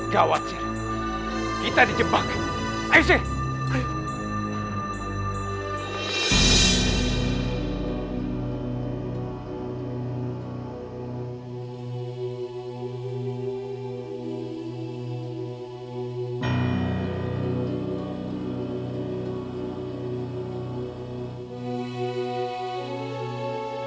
gak wajar kita dijebak ayo sir